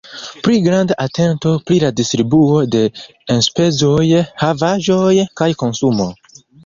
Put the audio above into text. Pli granda atento pri la distribuo de enspezoj, havaĵoj kaj konsumo.